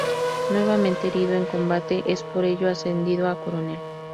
Nuevamente herido en combate, es por ello ascendido a coronel.